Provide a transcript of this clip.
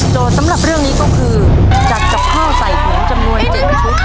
สำหรับเรื่องนี้ก็คือจัดกับข้าวใส่ถุงจำนวน๗ชุด